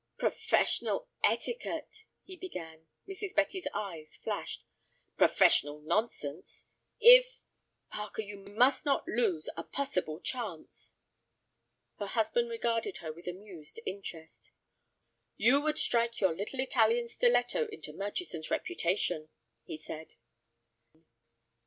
"Professional etiquette"—he began. Mrs. Betty's eyes flashed. "Professional nonsense! If—Parker, you must not lose a possible chance." Her husband regarded her with amused interest. "You would strike your little Italian stiletto into Murchison's reputation," he said.